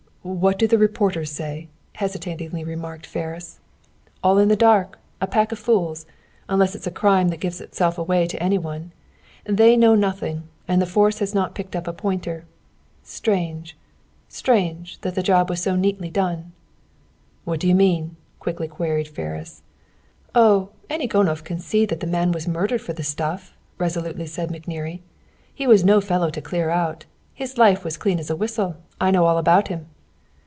"What do the reporters say?" hesitating remarked Ferris. "All in the dark a pack of fools unless it's a crime that gives itself away to any one. They know nothing, and the force has not picked up a pointer. Strange, strange, that the job was so neatly done!" "What do you mean?" quickly queried Ferris. "Oh! Any gonoph can see that the man was murdered for the stuff!" resolutely said McNerney. "He was no fellow to clear out! His life was clean as a whistle! I know all about him!"